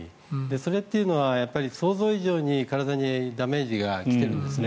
それというのは想像以上に体にダメージが来てるんですね。